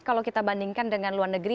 kalau kita bandingkan dengan luar negeri